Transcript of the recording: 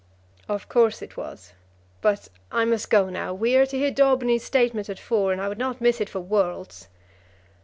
"Of course it was. But I must go now. We are to hear Daubeny's statement at four, and I would not miss it for worlds."